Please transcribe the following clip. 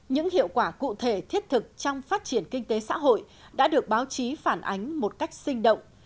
những hiệu quả cụ thể thiết thực trong phát triển kinh tế xã hội đã được báo chí phản ánh một cách sinh động